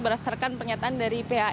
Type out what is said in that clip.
berdasarkan pernyataan dari pia